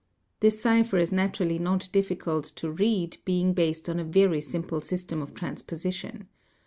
This cipher is naturally not difficult to read being based on a very simple system of transposition.